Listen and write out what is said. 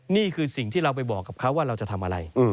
นี่คือสิ่งที่เราไปบอกกับเขาว่าเราจะทำอะไร